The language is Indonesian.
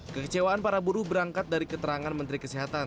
kekecewaan para buruh berangkat dari keterangan menteri kesehatan